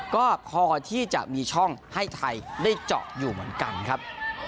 ก็พอที่จะมีช่องให้ไทยได้เจาะอยู่เหมือนกันครับ